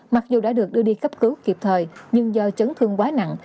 mặc dù đã được đưa đi cấp cứu kịp thời nhưng do chấn thương quá nặng